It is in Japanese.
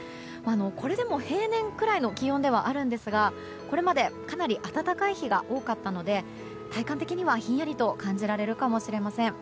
これでも平年くらいの気温ではあるんですがこれまでかなり暖かい日が多かったので体感的には、ひんやりと感じられるかもしれません。